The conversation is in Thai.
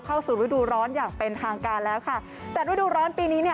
เข้าสู่ฤดูร้อนอย่างเป็นทางการแล้วค่ะแต่ฤดูร้อนปีนี้เนี่ย